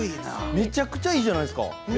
めちゃくちゃいいじゃないですか。